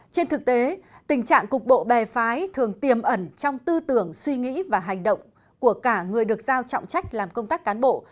trên thực tế tình trạng cục bộ bè phái thường tiềm ẩn trong tư tưởng suy nghĩ và hành động của cả người được giao trọng trách làm công tác cán bộ